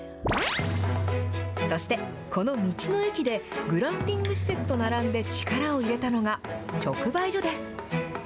そして、この道の駅でグランピング施設と並んで力を入れたのが直売所です。